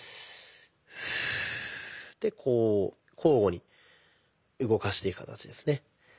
こう交互に動かしていく形ですね。